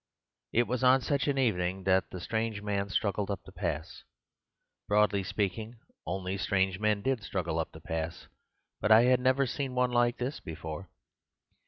It was on such an evening that the strange man struggled up the pass. Broadly speaking, only strange men did struggle up the pass. But I had never seen one like this one before.